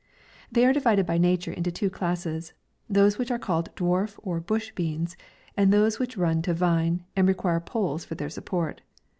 They are divided by nature into two class es : those which are called dwarf or bush beans, and those which run to vine, and re quire poles for their support.